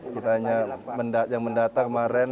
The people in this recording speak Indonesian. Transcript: kita hanya yang mendata kemarin